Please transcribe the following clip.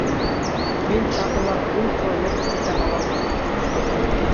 Мин тағы ла ун километр үтә алам әле